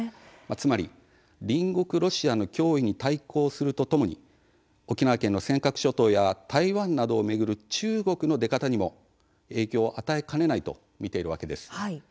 つまり隣国ロシアの脅威に対抗するとともに沖縄県の尖閣諸島や台湾などを巡る、中国の出方にも影響を与えかねないと見ているわけです。